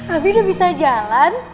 abi udah bisa jalan